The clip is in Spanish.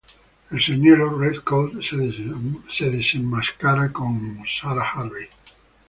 El señuelo Red Coat se desenmascara como Sara Harvey.